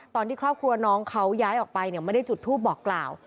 ตอนที่ครอบครัวน้องเขาย้ายออกไปเนี่ยไม่ได้จุดทูปบอกกล่าว